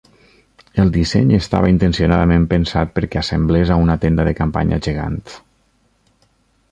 El disseny estava intencionadament pensat perquè assemblés a una tenda de campanya gegant.